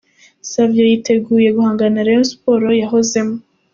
Savio yiteguye guhangana na Rayon Sports yahozemo.